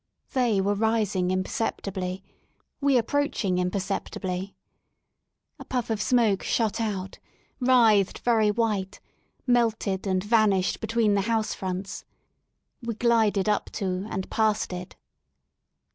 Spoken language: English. They were rising imperceptibly, we ap proaching imperceptibly. A puff of smoke shot out, writhed very white, melted and vanished between the housefronts. We glided up to and past it.